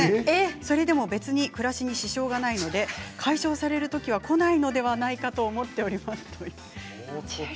それでも別に暮らしに支障がないので解消されるときは、こないのではないかと思っております。